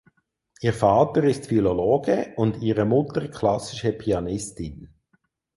Ihr Vater ist Philologe und ihre Mutter klassische Pianistin.